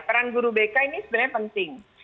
peran guru bk ini sebenarnya penting